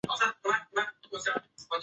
董槐人士。